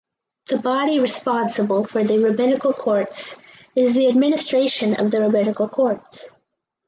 The body responsible for the rabbinical courts is the administration of the rabbinical courts.